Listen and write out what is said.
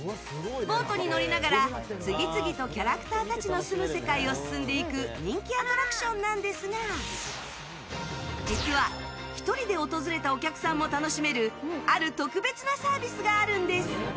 ボートに乗りながら次々とキャラクターたちの住む世界を進んでいく人気アトラクションなんですが実は、１人で訪れたお客さんも楽しめるある特別なサービスがあるんです。